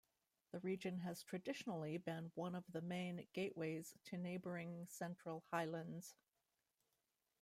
The region has traditionally been one of the main gateways to neighbouring Central Highlands.